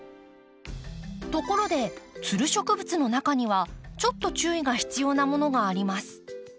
ところでつる植物の中にはちょっと注意が必要なものがあります。